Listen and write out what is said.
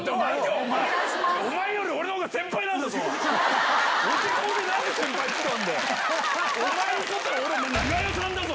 お前より俺のほうが先輩なんだぞ！